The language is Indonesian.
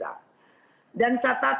dan catatan perlu dikatakan